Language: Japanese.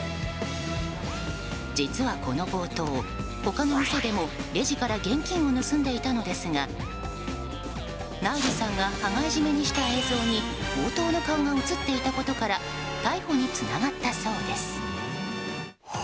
実はこの強盗、他の店でもレジから現金を盗んでいたのですがナイルさんが羽交い絞めにした映像に強盗の顔が映っていたことから逮捕につながったそうです。